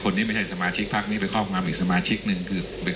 กรณีนี้ทางด้านของประธานกรกฎาได้ออกมาพูดแล้ว